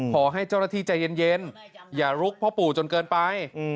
ขอให้เจ้าหน้าที่ใจเย็นอย่าลุกพ่อปู่จนเกินไป